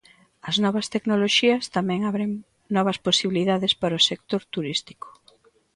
As novas tecnoloxías tamén abren novas posibilidades para o sector turístico.